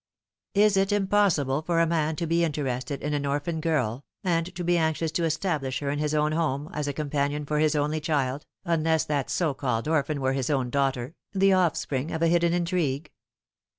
Is it impossible for a man to be interested in an orphan girl, and to be anxious to establish her in his own home, as a companion for his only child, unless that so called orphan were his own daughter, the offspring of a hidden intrigue